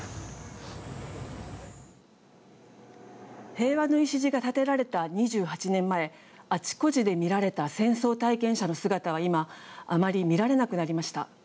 平和の礎が建てられた２８年前あちこちで見られた戦争体験者の姿は今あまり見られなくなりました。